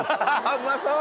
うまそう！